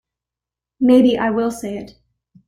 Maybe I will say it.